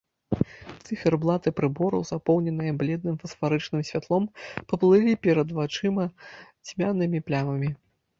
Цыферблаты прыбораў, запоўненыя бледным фасфарычным святлом, паплылі перад вачыма цьмянымі плямамі.